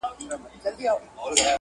لا سر دي د نفرت د تور ښامار کوټلی نه دی,